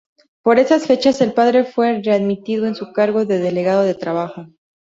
Por esas fechas el padre fue readmitido en su cargo de Delegado de Trabajo.